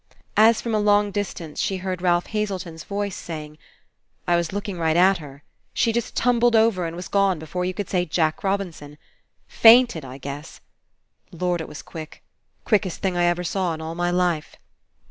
As from a long distance she heard Ralph Hazelton's voice saying: "I was look ing right at her. She just tumbled over and was gone before you could say 'Jack Robinson.' Fainted, I guess. Lord! It was quick. Quickest thing I ever saw in all my life."